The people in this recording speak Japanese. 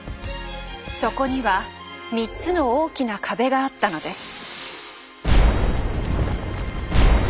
そこには３つの大きな壁があったのです。